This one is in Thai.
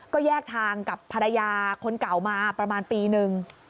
ก็แยกทางกับภรรยาคนเก่ามาประมาณปีนึง